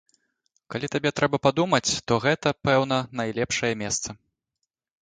Калі табе трэба падумаць, то гэта, пэўна, найлепшае месца.